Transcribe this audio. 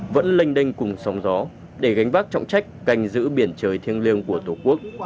vẫn lênh đênh cùng sóng gió để gánh vác trọng trách cành giữ biển trời thiêng liêng của tổ quốc